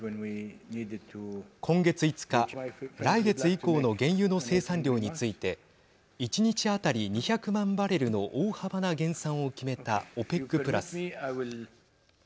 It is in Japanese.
今月５日来月以降の原油の生産量について１日当たり２００万バレルの大幅な減産を決めたＯＰＥＣプラス。